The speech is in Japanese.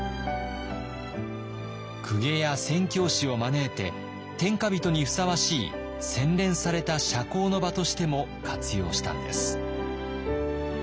公家や宣教師を招いて天下人にふさわしい洗練された社交の場としても活用したんです。